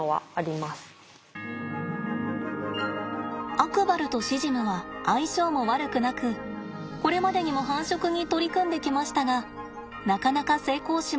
アクバルとシジムは相性も悪くなくこれまでにも繁殖に取り組んできましたがなかなか成功しませんでした。